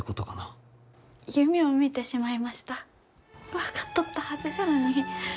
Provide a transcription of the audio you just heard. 分かっとったはずじゃのに。